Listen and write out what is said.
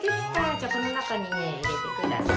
じゃあこのなかにねいれてください。